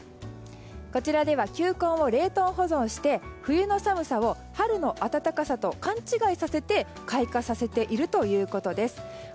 こちらでは球根を冷凍保存して冬の寒さを春の暖かさと勘違いさせて開花させているということです。